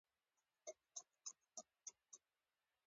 هلته هیڅوک نه وو.